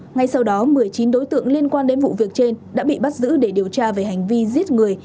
ngay sau đó một mươi chín đối tượng liên quan đến vụ việc trên đã bị bắt giữ để điều tra về hành vi giết người